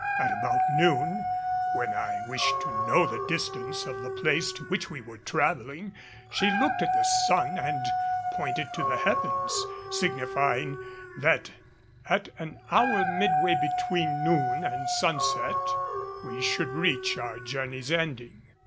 At about noon, when I wished to know the distance of the place to which we were traveling, she looked at the sun and pointed to the heavens, signifying that at an hour midway between noon and sunset we should reach our journey's ending.